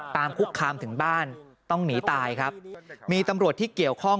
คุกคามถึงบ้านต้องหนีตายครับมีตำรวจที่เกี่ยวข้อง